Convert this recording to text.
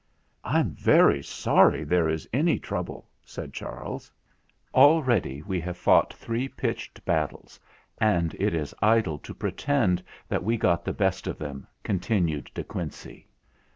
"I'm very sorry there is any trouble," said Charles. "Already we have fought three pitched bat THE GRAND SEPTUOR 185 ties, and it is idle to pretend that we got the best of them," continued De Quincey.